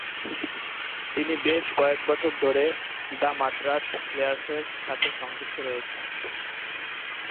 তিনি বেশ কয়েক বছর ধরে "দ্য মাদ্রাজ প্লেয়ার্সের" সাথে সংযুক্ত রয়েছেন।